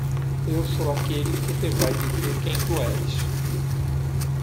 eu sou aquele que te vai dizer quem tu és.